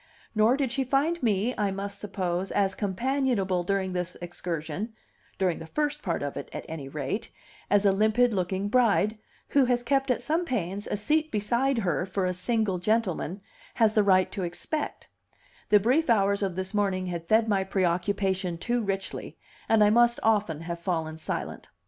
Nor did she find me, I must suppose, as companionable during this excursion during the first part of it, at any rate as a limpid looking bride, who has kept at some pains a seat beside her for a single gentleman, has the right to expect; the brief hours of this morning had fed my preoccupation too richly, and I must often have fallen silent.